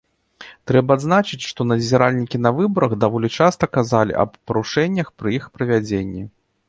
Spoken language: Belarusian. Трэба адзначыць, што назіральнікі на выбарах даволі часта казалі аб парушэннях пры іх правядзенні.